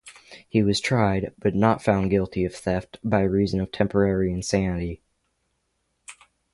He was tried, but found not guilty of theft by reason of temporary insanity.